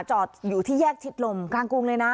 จอดอยู่ที่แยกชิดลมกลางกรุงเลยนะ